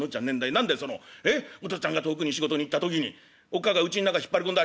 何だいそのお父っつぁんが遠くに仕事に行った時におっ母がうちん中引っ張り込んだ